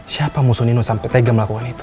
siapa musuh nino sampe tega melakukan itu